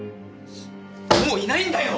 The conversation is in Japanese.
もういないんだよ！